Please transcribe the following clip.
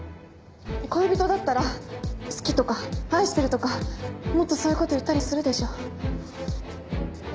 恋人だったら「好き」とか「愛してる」とかもっとそういう事言ったりするでしょ？